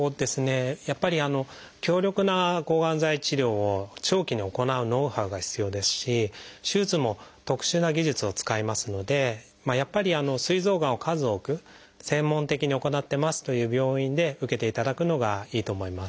やっぱり強力な抗がん剤治療を長期に行うノウハウが必要ですし手術も特殊な技術を使いますのでやっぱりすい臓がんを数多く専門的に行ってますという病院で受けていただくのがいいと思います。